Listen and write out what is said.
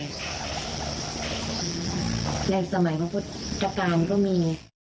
ในสมัยพบทการก็มี